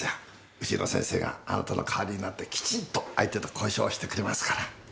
ウチの先生があなたの代わりになってきちんと相手と交渉してくれますから。